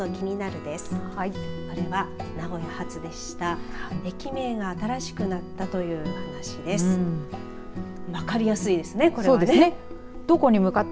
これは、名古屋発でした。